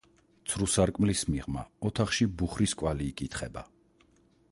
ცრუ სარკმლის მიღმა, ოთახში, ბუხრის კვალი იკითხება.